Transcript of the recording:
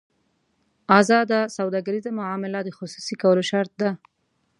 ازاده سوداګریزه معامله د خصوصي کولو شرط ده.